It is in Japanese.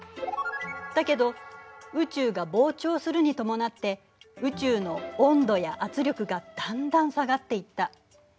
だけど宇宙が膨張するに伴って宇宙の温度や圧力がだんだん下がっていった。